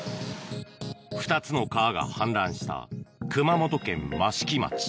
２つの川が氾濫した熊本県益城町。